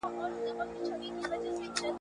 ورور او پلار وژني چي امر د سرکار وي ,